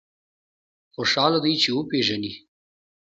خوشاله دی چې وپېژني.